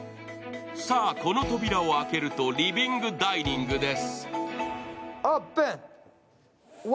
さぁ、この扉を開けるとリビングダイニングです。